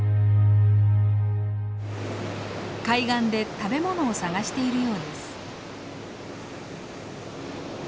海岸で食べ物を探しているようです。